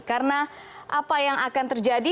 karena apa yang akan terjadi